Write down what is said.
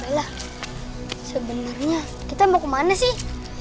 lah sebenarnya kita mau kemana sih